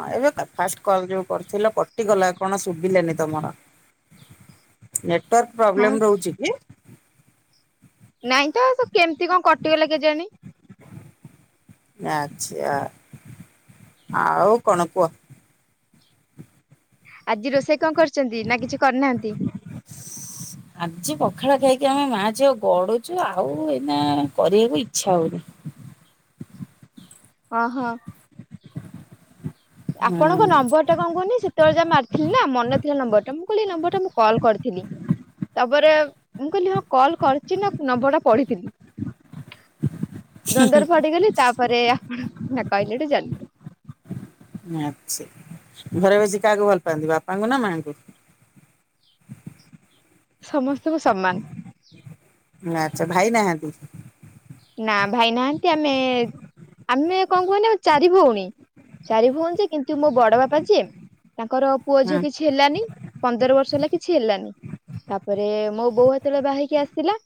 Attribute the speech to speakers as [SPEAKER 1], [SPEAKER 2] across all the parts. [SPEAKER 1] ହଁ ଏବେ କ-ଫାଷ୍ଟ କଲ୍ ଯୋଉ କରିଥିଲ କଟିଗଲା କଣ ଶୁବିଲାନି ତୋମର। ନେଟୱାର୍କ
[SPEAKER 2] ହଁ
[SPEAKER 1] ପ୍ରୋବ୍ଲେମ୍ ରହୁଛି କି?
[SPEAKER 2] ନାଇଁ ତ ସେ କେମିତି କଣ କଟିଗଲା କେଜାଣି।
[SPEAKER 1] ଆଚ୍ଛା ଆଉ କଣ କୁଅ?
[SPEAKER 2] ଆଜି ରୋଷେଇ କଣ କରିଚନ୍ତି ନା କିଛି କରିନାହାନ୍ତି?
[SPEAKER 1] ଆଜି ପଖାଳ ଖାଇକି ଆମେ ମା ଝିଅ ଗଡୁଛୁ। ଆଉ ଏଇନା କରିବାକୁ ଇଚ୍ଛା ହଉନି।
[SPEAKER 2] ଓହୋ। ଆପଣଙ୍କ
[SPEAKER 1] ହୁଁ
[SPEAKER 2] ନମ୍ବର ଟା କଣ କୁହୁନି ସେତେଳେ ଯା ମାରଥିଲି ନା ମନେ ଥିଲା ନମ୍ବର ଟା ମୁଁ କହିଲି ଏ ନମ୍ବର ଟା ମୁଁ କଲ୍ କରିଥିଲି। ତାପରେ ମୁଁ କହିଲି ହଁ କଲ୍ କରିଚି ନା ନମ୍ବର ଟା ପଢିଥିଲି। ଦ୍ୱନ୍ଦରେ ପଡିଗଲି ତାପରେ ଆପଣ ନାଁ କହିଲେ ଠୁ ଜାନ
[SPEAKER 1] ଆଚ୍ଛା ଘରେ ବେଶି କାହାକୁ ଭଲ ପାଆନ୍ତି ବାପାଙ୍କୁ ନା ମାଙ୍କୁ?
[SPEAKER 2] ସମସ୍ତଙ୍କୁ ସମାନ।
[SPEAKER 1] ଆଚ୍ଛା ଭାଇ ନାହାନ୍ତି?
[SPEAKER 2] ନା ଭାଇ ନାହାନ୍ତି ଆମେ, ଆମେ କଣ କୁହନି ଆମେ ଚାରି ଭଉଣୀ। ଚାରି ଭଉଣୀ ଯେ କିନ୍ତୁ ମୋ ବଡ ବାପା ଯିଏ ତାଙ୍କର ପୁଅ
[SPEAKER 1] ହୁଁ
[SPEAKER 2] ଝିଅ କିଛି ହେଲାନି ପନ୍ଦର ବର୍ଷ ହେଲା କିଛି ହେଲାନି। ତାପରେ ମୋ ବୋଉ ହେତେଳେ ବାହା ହେଇକି ଆସିଥିଲାା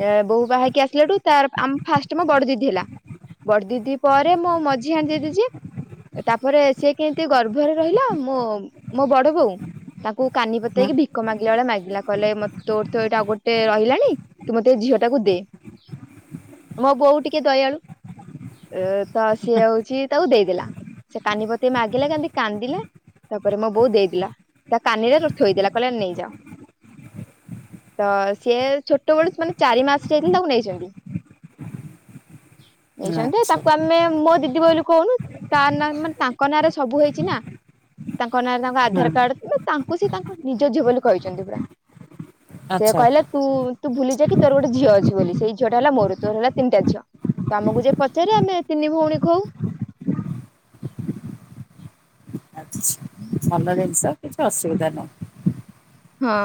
[SPEAKER 2] ଏ ବୋଉ ବାହା ହେଇକି ଆସିଲାଠୁ ତାର ଆମ ଫାଷ୍ଟ ମୋ ବଡ ଦିଦି ହେଲା। ବଡ ଦିଦି ପରେ ମୋ ମଝିଆ ଦିଦି ଯିଏ ଏ ତାପରେ ସିଏ କେମିତି ଗର୍ଭରେ ରହିଲା। ମୋ ମୋ ବଡ ବୋଉ ତାକୁ କାନି ପତେଇକି ଭିକ ମାଗିଲା ଭଳିଆ ମାଗିଲା। କହିଲା ଏ ମ ତୋର ତ ଏଇଟା ଆଉ ଗୋଟେ ରହିଲାଣି ତୁ ମୋତେ ଝିଅ ଟାକୁ ଦେ। ମୋ ବୋଉ ଟିକେ ଦୟାଳୁ। ଅ, ତ ସିଏ ହଉଛି ତାକୁ ଦେଇଦେଲା। ସେ କାନି ପତେଇ ମାଗିଲା କାନ୍ଦି କାନ୍ଦିଲା। ତାପରେ ମୋ ବୋଉ ଦେଇଥିଲା। ତା କାନିରେ ର - ଥୋଇଦେଲା କହିଲା ନେଇଯାଅ। ତ ସିଏ ଛୋଟବେେଳୁ ମାନେ ଚାରି ମାସ ଯାଇଥିଲେ ତାକୁ ନେଇଛନ୍ତି। ନେଇଛନ୍ତି,
[SPEAKER 1] ଆଚ୍ଛା ହୁଁ।
[SPEAKER 2] ତାକୁ ଆମେ ମୋ ଦିଦି ବୋଲି କହୁନୁ। ତା ନା ମାନେ ତାଙ୍କ ନାଁରେ ସବୁ ହେଇଛି ନା। ତାଙ୍କ ନାଁରେ ତାଙ୍କ ଆଧାର କାର୍ଡ ନ ତାଙ୍କୁ ସେ ତାଙ୍କ ନିଜ ଝିଅ ବୋଲି କହିଛନ୍ତି ପୁରା। ସେ
[SPEAKER 1] ଆଚ୍ଛା
[SPEAKER 2] କହିଲା ତୁ ତୁ ଭୁଲି ଯା କି ତୋର ଗୋଟେ ଝିଅ ଅଛି ବୋଲି। ସେଇ ଝିଅ ଟା ହେଲା ମୋର ତୋର ହେଲା ତିନିଟା ଝିଅ। ତ ଆମକୁ ଯିଏ ପଚାରେ ଆମେ ତିନି ଭଉଣୀ କୋହୁ।
[SPEAKER 1] ଆଚ୍ଛା ଭଲ ଜିନିଷ କିଛି ଅସୁବିଧା ନାହିଁ।
[SPEAKER 2] ହଁ।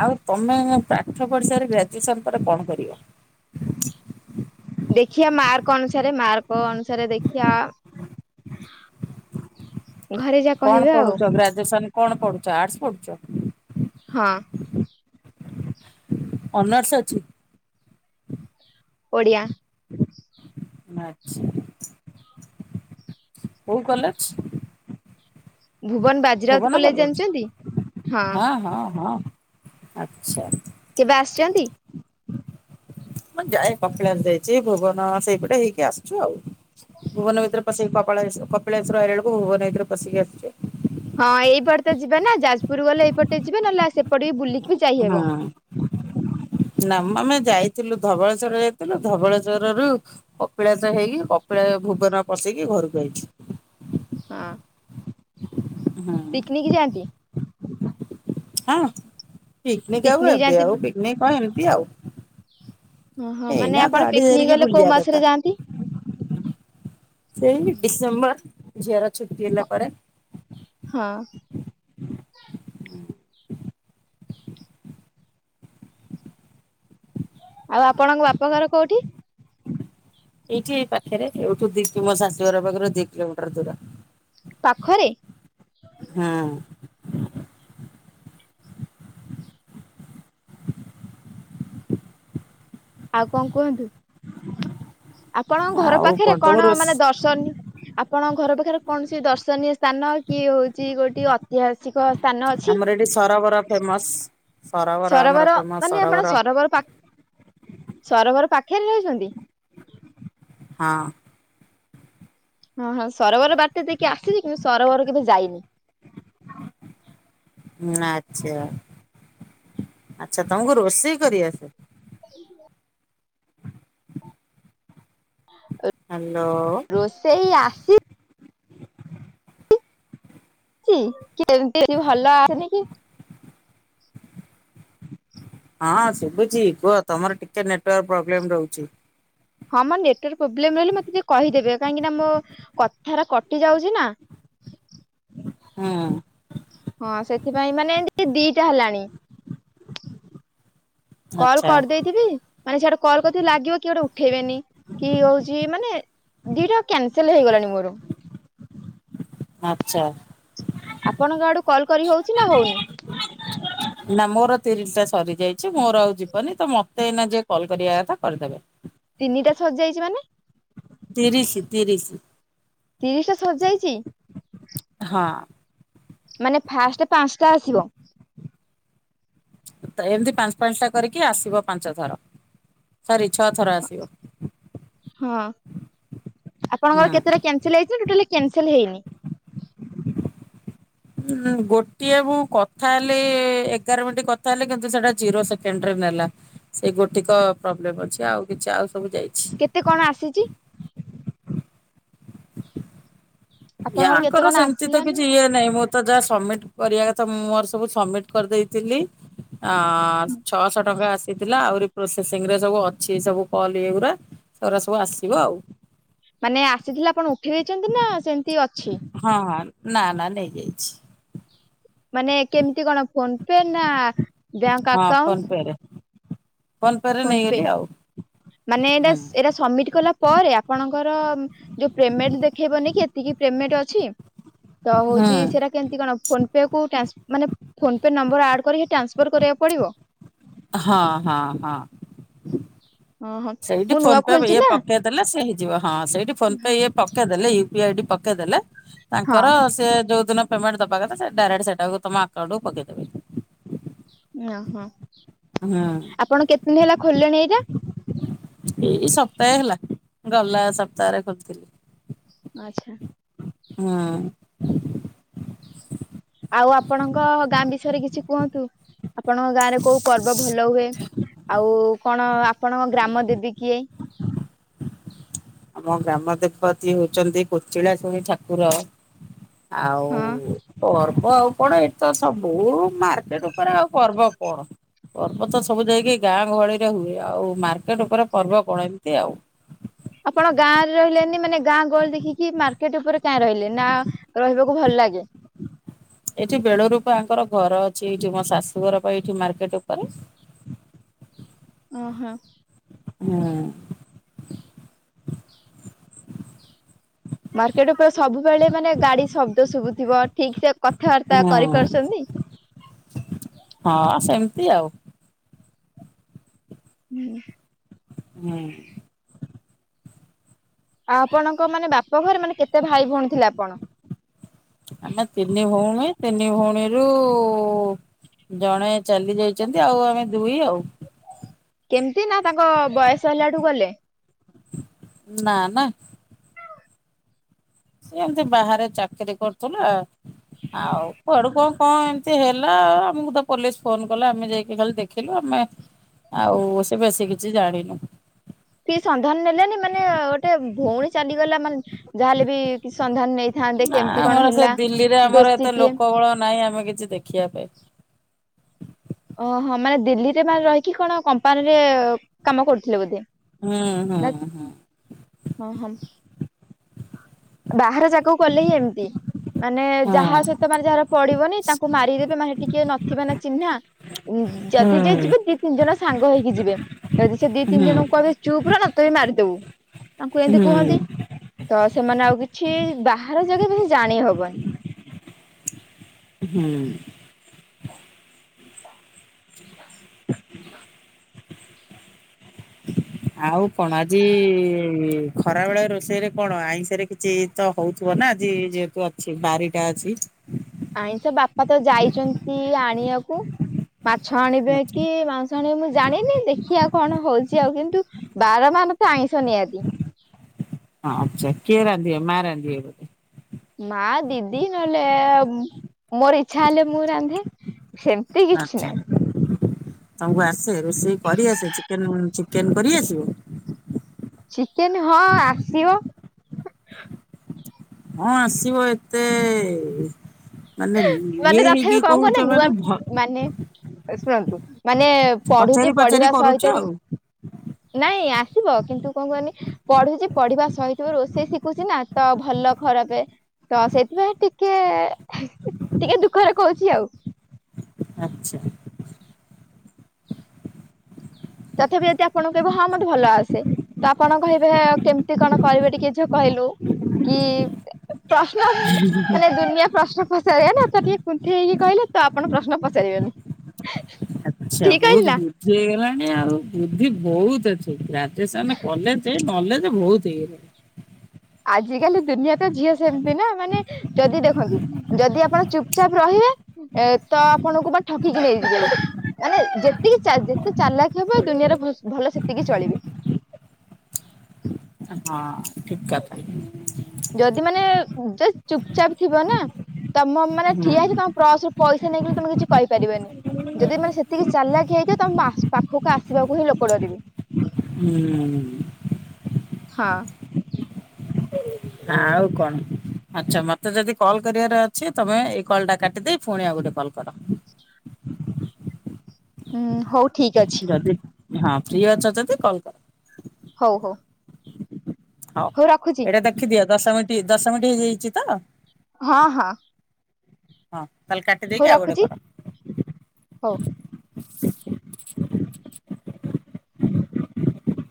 [SPEAKER 1] ଆଉ ତୋମେ ପାଠ ପଢି ସାରି ଗ୍ରାଜୁଏସନ୍ ପରେ କଣ କରିବ?
[SPEAKER 2] ଦେଖିଆ ମାର୍କ ଅନୁସାରେ, ମାର୍କ ଅନୁସାରେ ଦେଖିଆ। ଘରେ ଯାହା
[SPEAKER 1] କଣ
[SPEAKER 2] କହିବେ ଆଉ
[SPEAKER 1] ପଢୁଛ? ଗ୍ରାଜୁଏସନ୍ କଣ ପଢୁଛ ଆର୍ଟସ ପଢୁଛ?
[SPEAKER 2] ହଁ।
[SPEAKER 1] ଅନର୍ସ ଅଛି?
[SPEAKER 2] ଓଡ଼ିଆ।
[SPEAKER 1] ଆଚ୍ଛା। କୋଉ college?
[SPEAKER 2] Bhuban Bajirout
[SPEAKER 1] Bhuban
[SPEAKER 2] college
[SPEAKER 1] college?
[SPEAKER 2] ଜାଣିଛନ୍ତି?
[SPEAKER 1] ହଁ, ହଁ, ହଁ ଆଚ୍ଛା।
[SPEAKER 2] କେବେ ଆସିଛନ୍ତି?
[SPEAKER 1] ମୁଁ ଯାଏ, କପିଳାସ ଯାଇଚି। ଭୁବନ ସେଇପଟେ ହେଇକି ଆସିଛୁ ଆଉ। ଭୁବନ ଭିତିରେ ପସିକି କ- ପଳାଇ ଆସିବୁ। କପିଳାସ ରୁ ଆଇଲା ବେଳକୁ ଭୁବନ ଭିତରେ ପସିକି ଆସୁଛି।
[SPEAKER 2] ହଁ ଏଇପଟେ ତ ଯିବା ନା ଯାଜପୁର ଗଲେ ଏଇପଟେ ଯିବେ। ନହଲେ ଆ, ସେପଟେ ବି ବୁଲି
[SPEAKER 1] ହଁ। ନା ଆମେ ଯାଇଥିଲୁ ଧବଳେଶ୍ଵର ଯାଇଥିଲୁ। ଧବଳେଶ୍ବର ରୁ କପିଳାସ ହେଇକି କପିଳା ଭୁବନ ପସିକି ଘରକୁ ଆଇଛୁ।
[SPEAKER 2] ହଁ।
[SPEAKER 1] ହଁ।
[SPEAKER 2] ପିକନିକ ଯାଆନ୍ତି।
[SPEAKER 1] ହଁ ପିକନିକ ଆଉ ଏବେ ଆଉ ପିକନିକ ହ ଏମିତି ଆଉ
[SPEAKER 2] ହଁ ହଁ ମାନେ
[SPEAKER 1] ଏଇନା
[SPEAKER 2] ଆପଣ
[SPEAKER 1] ଗାଡ଼ି
[SPEAKER 2] ପିକନିକ
[SPEAKER 1] ଧିକ
[SPEAKER 2] ଗଲେ କୋଉ
[SPEAKER 1] ବୁଲିି
[SPEAKER 2] ମାସରେ
[SPEAKER 1] ଆଗତ।
[SPEAKER 2] ଯାଆନ୍ତି?
[SPEAKER 1] ସେଇ ଡିସେମ୍ବର ଝିଅର ଛୁଟି ହେଲା ପରେ।
[SPEAKER 2] ହଁ। ଆଉ ଆପଣଙ୍କ ବାପଘର କୋଉଠି?
[SPEAKER 1] ଏଇଠି ଏ ପାଖରେ ଏଠୁ ଦି ମୋ ଶାଶୁ ଘର ପାଖରୁ ଦି କିଲୋମିଟର ଦୂର।
[SPEAKER 2] ପାଖରେ
[SPEAKER 1] ହୁଁ।
[SPEAKER 2] ଆଉ କଣ କୁହନ୍ତୁ? ଆପଣଙ୍କ ଘର
[SPEAKER 1] ଆଉ
[SPEAKER 2] ପାଖରେ
[SPEAKER 1] ତମ
[SPEAKER 2] କଣ
[SPEAKER 1] ରୋଷ
[SPEAKER 2] ମାନେ ଦର୍ଶ ଆପଣଙ୍କ ଘର ପାଖରେ କୌଣସି ଦର୍ଶନୀୟ ସ୍ଥାନ କି ହଉଛି ଗୋଟେ ଅ ଐତିହାସିକ ସ୍ଥାନ ଅଛି।
[SPEAKER 1] ସରବରା ଫେମସ।
[SPEAKER 2] ସରୋବର ମାନେ ଆପଣ ସରୋବର ପା ସରୋବର ପାଖରେ ରହିଛନ୍ତି।
[SPEAKER 1] ହଁ।
[SPEAKER 2] ହଁ ହଁ ସରୋବର ବାଟ୍ୟା ଦେକି ଆସିଛି କିନ୍ତୁ ସରୋବର କେବେ ଯାଇନି।
[SPEAKER 1] ହଁ ଆଚଛା ଆଚଛା ତମକୁ ରୋଷେଇ କରିଆସ।
[SPEAKER 2] ହୁଁ ଅ।
[SPEAKER 1] ହ୍ୟାଲୋ।
[SPEAKER 2] ସେଇ ଆସି କେତି ଭଲ ଆସନି କି [unintelligible]
[SPEAKER 1] ହଁ ଶୁଭୁଛି। କୁହ ତମର ଟିକେ ନେଟୱାର୍କ ପ୍ରୋବ୍ଲେମ ରହୁଛି।
[SPEAKER 2] ହଁ ମୋର ନେଟୱାର୍କ ପ୍ରୋବ୍ଲେମ ରହିଲି ମତେ ଟିକେ କହିଦେବେ। କାହିଁକି ନା ମୋ କଥା କଟି ଯାଉଛି ନା।
[SPEAKER 1] ହୁଁ।
[SPEAKER 2] ହଁ ସେଥିପାଇଁ ମାନେ ଦିଟା ହେଲାଣି। କଲ
[SPEAKER 1] ଆଚ୍ଛା
[SPEAKER 2] କରିଦେଇଥିବି। ମାନେ ସେଆଡେ କଲ କରି ଲାଗିବ କି ଗଟେ ଉଠେଇବେନି କି ହଉଛି ମାନେ। ଦିଟା କ୍ୟାନସଲ ହେଇଗଲାଣି ମୋର।
[SPEAKER 1] ଆଚଛା।
[SPEAKER 2] ଆପଣଙ୍କ ଆଡୁ କଲ୍ କରି ହଉଛି ନା ହଉନି?
[SPEAKER 1] ହ [unintelligible] ନା ମୋର ତିରିିଲ ଟା ସରି ଯାଇଛି। ମୋର ଆଉ ଯିବନି ତ ମତେ ଏଇ ଯିଏ କଲ୍ କରିବା କଥା କରିଦେବେ।
[SPEAKER 2] ତିନିଟା ସଜିଯାଇଛି ମାନେ।
[SPEAKER 1] ଧୀରିଶ ଧରିଶ।
[SPEAKER 2] ତିରିଶ ଟା ସଜାଇଛି।
[SPEAKER 1] ହଁ।
[SPEAKER 2] ମାନେ ଫାଷ୍ଟ ପାଞ୍ଚଟା ଆସିବ।
[SPEAKER 1] ଏମିତି ପାଞ୍ଚ ପାଞ୍ଚଟା କରିକି ଆସିବ ପାଞ୍ଚ ଥର ସରି ଛଅ ଥର ଆସିବ।
[SPEAKER 2] ହଁ
[SPEAKER 1] ହୁଁ
[SPEAKER 2] ଆପଣଙ୍କର କେତେଟା କ୍ୟାନସେଲ ହେଇଛି? ଟାଲି କ୍ୟାନସେଲ ହେଇନି।
[SPEAKER 1] ହଁ ଗୋଟିଏ ମୁଁ କଥା ହେଲି ଏଗାର ମିନିଟ କଥା ହେଲି କିନ୍ତୁ ସେଟା ଜିରୋ ସେକେଣ୍ଡରେ ନେଲା। ସେଇ ଗୋଟିକ ପ୍ରୋବ୍ଲେମ ଅଛି। ଆଉ କିଛି ଆଉ ସବୁ ଯାଇଛି।
[SPEAKER 2] କେତେ କଣ ଆସିଛି?
[SPEAKER 1] ଇଏ
[SPEAKER 2] ଆପଣଙ୍କର କେତେ
[SPEAKER 1] ଆଙ୍କର
[SPEAKER 2] କଣ
[SPEAKER 1] ସେମିତି ତ
[SPEAKER 2] ଆସିଲାନି
[SPEAKER 1] କିଛି ଇଏ ନାାଇଁ ମଁ ତ ଯାହା ସବମିଟ କରିବା କଥା ମୁଁ ମୋର ସବୁ ସବମିଟ କରିଦେଇଥିଲି। ଆ ଛଅଶହ ଟଙ୍କା ଆସି ଥିଲା ଆହୁରି ପ୍ରୋସେସିଂ ରେ ସବୁ ଅଛି। ସବୁ କଲ୍ ଇଗୁଡା ସେଗୁଡା ସବୁ ଆସିବ ଆଉ।
[SPEAKER 2] ମାନେ ଆସିଥିଲେ ଆପଣ ଉଠି ଦେଇଛନ୍ତି ନା ସେମିତି ଅଛି?
[SPEAKER 1] ହଁ ହଁ ନା ନା ନେଇଯାଇଛି।
[SPEAKER 2] ମାନେ କେମିତି କଣ ଫୋନ ପେ ନା ବ୍ୟାଙ୍କ
[SPEAKER 1] ହଁ
[SPEAKER 2] ଆକାଉଣ୍ଟ
[SPEAKER 1] ଫୋନ୍ ପେରେ।
[SPEAKER 2] ଫୋନ ପେ ମାନେ ଏଇଟା
[SPEAKER 1] ହୁଁ
[SPEAKER 2] ଏରା ସମିଟି କଲା ପରେ ଆପଣଙ୍କର ଯୋଉ ପ୍ରେମେଣ୍ଟ ଦେଖେଇବନି କି ଏତିକି ପ୍ରେମେଣ୍ଟ ଅଛି ତ ହୋଉଛି
[SPEAKER 1] ହୁଁ।
[SPEAKER 2] ସେରା କେମିତି କଣ ଫୋନ ପେ କୁ ଟାନସ୍ ମାନେ ଫୋନ ପେ ନମ୍ବର ଆଡ କରିକି ଟ୍ରାନ୍ସଫର କରିବାକୁ ପଡିବ।
[SPEAKER 1] ହଁ ହଁ ହଁ।
[SPEAKER 2] ଓହୋ
[SPEAKER 1] ସେଇଟି
[SPEAKER 2] ମୁଁ ନୂଆ
[SPEAKER 1] ଫୋନ ପେ
[SPEAKER 2] ଖୋଲିଛି
[SPEAKER 1] ଇଏ
[SPEAKER 2] ନା
[SPEAKER 1] ପକେଇଦେଲେ ସେ ହେଇଯିବ ହଁ ସେଇଟି ଫୋନ ପେ ଇଏ ପକେଇଦେଲେ ୟୁ ପି ଆଇ ଡି ପକେଇଦେଲେ
[SPEAKER 2] ହଁ
[SPEAKER 1] ତାଙ୍କର ସେ ଯୋଉ ଦୁନ ପେମେଣ୍ଟ ଦବା କଥା ସେ ଡାଇରେଟ ସେଟାକୁ ତମ ଆକାଉଣ୍ଟ କୁ ପକେଇ ଦେବେ।
[SPEAKER 2] ନା ହଁ
[SPEAKER 1] ହଁ
[SPEAKER 2] ଆପଣ କେତେଦିନି ହେଲା ଖୋଲିଲେଣି ଏଇଟା।
[SPEAKER 1] ଏଇ ସପ୍ତାହେ ହେଲା ଗଲା ସପ୍ତାହରେ ଖୋଲିଥିଲି।
[SPEAKER 2] ଆଛା।
[SPEAKER 1] ହଁ।
[SPEAKER 2] ଆଉ ଆପଣଙ୍କ ଗାଁ ବିଷୟରେ କିଛି କୁହନ୍ତୁ। ଆପଣଙ୍କ ଗାଁ ରେ କୋଉ ପର୍ବ ଭଲ ହୁଏ ଆଉ କଣ ଆପଣଙ୍କ ଗ୍ରାମ ଦେବୀ କିଏ।
[SPEAKER 1] ଆମ ଗ୍ରାମ ଦେବତି ହୋଉଚନ୍ତି କୋଚିଳା ଶୁଣୀ ଠାକୁର ଆଉ
[SPEAKER 2] ହଁ
[SPEAKER 1] ପର୍ବ ଆଉ ପଡେ ଏଟିତ ସବୁ ମାର୍କେଟ ଉପରେ ଆଉ ପର୍ବ କଣ। ପର୍ବ ତ ସବୁ ଯାଇକି ଗାଁ ଗହଳି ରେ ହୁଏ ଆଉ ମାର୍କେଟ ଉପରେ ପର୍ବ କଣ ଏମତି ଆଉ।
[SPEAKER 2] ଆପଣ ଗାଁ ରେ ରହିଲେନି ମାନେ ଗାଁ ଗହଳି ଦେଖିକି ମାର୍କେଟ ଉପରେ କାଇଁ ରହିଲେ ନା। ରହିବାକୁ ଭଲ ଲାଗେ।
[SPEAKER 1] ଏଠି ବେଳରୁପା ଆଙ୍କର ଘର ଅଛି ଏଇଠି ମୋ ଶାଶୁଘର ପା ଏଇଠି ମାର୍କେଟ ଉପରେ।
[SPEAKER 2] ଓହୋ।
[SPEAKER 1] ହୁଁ।
[SPEAKER 2] ମାର୍କେଟ ଉପରେ ସବୁବେଳେ ମାନେ ଗାଡି ଶବ୍ଦ ଶୁଭୁ ଥିବ ଠିକ ସେ କ
[SPEAKER 1] ହୁଁ ହଁ ସେମତି ଆଉ।
[SPEAKER 2] ହୁଁ।
[SPEAKER 1] ହୁଁ।
[SPEAKER 2] ଆଉ ଆପଣଙ୍କ ମାନେ ବାପ ଘରେ ମାନେ କେତେ ଭାଇ ଭଉଣୀ ଥିଲେ ଆପଣ।
[SPEAKER 1] ଆମେ ତିନି ଭଉଣୀ ତିନି ଭଉଣୀରୁ ଜଣେ ଚାଲି ଯାଚନ୍ତି ଆଉ ଆମେ ଦୁଇ ଆଉ।
[SPEAKER 2] କେମିତି ନା ତାଙ୍କ ବୟସ ହେଲାଠୁ ଗଲେ।
[SPEAKER 1] ନାଁ ନାଁ। ସେ ଏମିତି ବାହାରେ ଚାକିରୀ କରୁଥିଲା ଆଉ କୁଆଡୁ କଣ କଣ ଏମିତି ହେଲା ଆଉ ଆମକୁ ତ ପୋଲିସ ଫୋନ କଲା ଆମେ ଯାଇକି ଖାଲି ଦେଖ ଖିଲୁ ଆମେ ଆଉ ସେ ବେଶୀ କିଛି ଜାଣିନୁ।
[SPEAKER 2] କି ସନ୍ଧାନ ନେଲେନି ମାନେ ଗୋଟେ ଭୋଉଣୀ ଚାଲିଗଲା ମାନେ ଯାହା ହେଲେ ବି କି ସନ୍ଧାନ ନେଇ
[SPEAKER 1] ନା ଆମର ସେ ଦିଲ୍ଲୀରେ ଆମର ଏତେ
[SPEAKER 2] କିଏ?
[SPEAKER 1] ଲୋକ ବଳ ନାହିଁ ଆମେ କିଛି ଦେଖିବା ପାଇଁ।
[SPEAKER 2] ଓହୋ ମାନେ ଦିଲ୍ଲୀରେ ମାନେ ରହିକି କଣ କମ୍ପାନୀରେ କାମ କରୁଥିଲେ ବୋଧେ।
[SPEAKER 1] ହୁଁ ହୁଁ
[SPEAKER 2] ନା
[SPEAKER 1] ହୁଁ।
[SPEAKER 2] ହଁ ହଁମ୍। ବାହାର ଯାଗାକୁ ଗଲେ ହିଁ ଏମିତି। ମାନେ
[SPEAKER 1] ହୁଁ।
[SPEAKER 2] ଯାହା ସହିତ ମାନେ ଯାହାର ପଡିବନି ତାଙ୍କୁ ମାରିଦେବେ ମାନେ ହେଟିକିଏ ନଥିବେ ନା ଚିହ୍ନା।
[SPEAKER 1] ହଁ
[SPEAKER 2] ଯଦି ଯେ ଯିବେ ଦି ତିନି ଜଣ ସାଙ୍ଗ ହେଇକି ଯିବେ ଯଦି ସେ ଦି
[SPEAKER 1] ହୁଁ
[SPEAKER 2] ତିନି ଜଣଙ୍କୁ କହିବେ ଚୁପ ରହ ତତେ ବି ମାରିଦବୁ ତାଙ୍କୁ
[SPEAKER 1] ହୁଁ
[SPEAKER 2] ଏମିତି କୁହନ୍ତି ତ ସେମାନେ ଆଉ କିଛି ବାହାର ଜାଗା ବେଶି ଜାଣିହବନି।
[SPEAKER 1] ହୁଁ।
[SPEAKER 2] ହ ହ
[SPEAKER 1] ଆଉ କଣ ଆଜି ଖରା ବେଳେ ରୋଷେଇରେ କଣ ଆଇଁଷ ରେ କିଛି [unintelligible] ହଉଥିବ ନା ଆଜି ଯେହେତୁ ଅଛି ବାରିଟା ଅଛି।
[SPEAKER 2] ଆଇଁଷ ବାପା ତ ଯାଇଚନ୍ତି ଆଣିଆକୁ ମାଛ ଆଣିବେ
[SPEAKER 1] ଆଚ୍ଛା।
[SPEAKER 2] କି ମାଂସ [unintelligible] ମୁଁ ଜାଣିନି ଦେଖିଆ କଣ ହଉଚି ଆଉ କିନ୍ତୁ ବାର ମାନେ ତ ଆଇଁଷ ନିହାତି।
[SPEAKER 1] ହଁ ଆଚ୍ଛା କିଏ ରାନ୍ଧିବେ ମା ରାନ୍ଧିବେ ବୋଧେ?
[SPEAKER 2] ମା ଦିଦି ନହେଲେ ମୋର ଇଚ୍ଛା ହେଲେ ମୁଁ ରାନ୍ଧେ ସେମ୍ତି କିଛି
[SPEAKER 1] ଆଚ୍ଛା
[SPEAKER 2] ନାହିଁ।
[SPEAKER 1] ତମକୁ ଆସେ ରୋଷେଇ କରିଆସେ ଚିକେନ୍-ଚିକେନ୍ କରିଆସିବ?
[SPEAKER 2] ଚିକେନ୍ ହଁ ଆସିବ।
[SPEAKER 1] ହଁ ଆସିବ ଏତେ ମାନେ
[SPEAKER 2] ମାନେ
[SPEAKER 1] ଇଏ
[SPEAKER 2] ତଥାପି
[SPEAKER 1] ହେଇକି
[SPEAKER 2] କଣ କହନା
[SPEAKER 1] କହୁଚ
[SPEAKER 2] ନୂଆ
[SPEAKER 1] ମାନେ ଭ
[SPEAKER 2] ମାନେ ଶୁଣନ୍ତୁ, ମାନେ
[SPEAKER 1] ପଚାରି
[SPEAKER 2] ପଢୁଚି
[SPEAKER 1] ପଚାରି
[SPEAKER 2] ପଢିବା
[SPEAKER 1] କରୁଛ
[SPEAKER 2] ସହିତ ବି
[SPEAKER 1] ଆଉ।
[SPEAKER 2] ନାଇଁ ଆସିବ କିନ୍ତୁ କଣ କୁହନି ପଢୁଚି ପଢିବା ସହିତ ବି ରୋଷେଇ ଶିଖୁଚି ନା ତ ଭଲ ଖରାପେ ତ ସେଇଥିପାଇଁ ଟିକେ-ଟିକେ ଦୁଃଖରେ କହୁଛି ଆଉ।
[SPEAKER 1] ଆଚ୍ଛା।
[SPEAKER 2] ତଥାପି ଯଦି ଆପଣ କହିବେ ହଁ ମତେ ଭଲ ଆସେ। ତ ଆପଣ କହିବେ କେମ୍ତି କଣ କରିବେ ଟିକେ ଝିଅ କହିଲୁ କି ପ୍ରଶ୍ନ ମାନେ ଦୁନିଆ ପ୍ରଶ୍ନ [unintelligible] ତ ଟିକେ କୁନ୍ଥେଇ ହେଇକି କହିଲେ ତ ଆପଣ ପ୍ରଶ୍ନ ପଚାରିବେନି।
[SPEAKER 1] ଆଚ୍ଛା
[SPEAKER 2] ଠିକ କହିଲି
[SPEAKER 1] ବହୁଟ୍
[SPEAKER 2] ନା?
[SPEAKER 1] ବୁଦ୍ଧି ହେଇଗଲାଣି ଆଉ ବୁଦ୍ଧି ବହୁତ ଅଛି ଗ୍ରାଜୁଏସନ କଲେଜେ ନଲେଜେ ବହୁତ୍ ହେଇଗଲାଇ।
[SPEAKER 2] ଆଜିକାଲି ଦୁନିଆ ତ ଝିଅ ସେମ୍ତି ନା ମାନେ ଯଦି ଦେଖନ୍ତୁ ଯଦି ଆପଣ ଚୁପଚାପ୍ ରହିବେ ଏ ତ ଆପଣଙ୍କୁ ବା ଠକିକି ନେଇଯିବେ। ମାନେ ଯେତିକି ଚା ଯେତେ ଚାଲାଖୀ ହେବେ ଏ ଦୁନିଆରେ ଭଲ-ଭଲ ସେତିକି ଚଳିବେ।
[SPEAKER 1] ହଁ ଠିକ୍ କଥା।
[SPEAKER 2] ଯଦି ମାନେ ଜଦି ଚୁପଚାପ୍ ଥିବନା ତମ ମାନେ
[SPEAKER 1] ହୁଁ
[SPEAKER 2] ଠିଆ ହେଇଥିବ ତମ ପ୍ରସରୁ ପଇସା ନେଇଗଲେ ତମେ କିଛି କହିପାରିବନି। ଯଦି ମାନେ ସେତିକି ଚାଲାକିି ହେଇଥିବ ତମ ପାଖକୁ ଆସିବାକୁ ହିଁ ଲୋକ ଡରିବେ।
[SPEAKER 1] ହୁଁ।
[SPEAKER 2] ହଁ।
[SPEAKER 1] ଆଉ କଣ ଆଚ୍ଛା ମତେ ଯଦି କଲ୍ କରିବାର ଅଛି ତମେ ଏଇ କଲ୍ ଟା କାଟିଦେଇ ଫୁଣି ଆଉ ଗୋଟେ କଲ୍ କର।
[SPEAKER 2] ହୁଁ ହଉ ଠିକ ଅଛି
[SPEAKER 1] ଯଦି ହଁ ଫ୍ରି ଅଛ ଯଦି କଲ୍ କର।
[SPEAKER 2] ହଉ-ହଉ।
[SPEAKER 1] ହଉ ଏଇଟା ଦେଖିଦିଅ ଦଶମିନିଟ ଦଶମିନିଟ ହେଇଯାଇଚି ତ?
[SPEAKER 2] ହଁ-ହଁ।
[SPEAKER 1] ହଁ ତାହେଲେ କାଟି ଦେଇକି ଆଉ ଗୋଟେ
[SPEAKER 2] ରଖୁଛି
[SPEAKER 1] କର।
[SPEAKER 2] ହଉ।